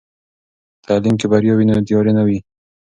که تعلیم کې بریا وي، نو تیارې نه وي.